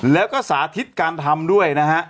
แล้วก็สาธิตการทำด้วยนะฮะ